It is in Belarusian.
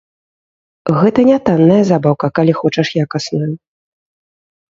Гэта не танная забаўка, калі хочаш якасную.